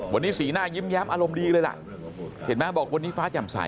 วันนี้สีหน้ายิ้มแย้มอารมณ์ดีเลยล่ะเห็นไหมบอกวันนี้ฟ้าแจ่มใส